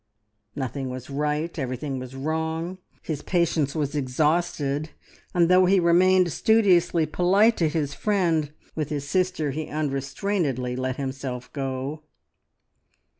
Nothing was right; everything was wrong; his patience was exhausted, and though he remained studiously polite to his friend, with his sister he unrestrainedly "let himself go."